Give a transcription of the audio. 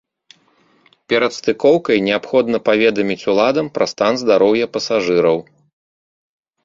Перад стыкоўкай неабходна паведаміць уладам пра стан здароўя пасажыраў.